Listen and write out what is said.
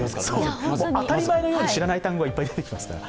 当たり前のように知らない単語がいっぱい出てきますから。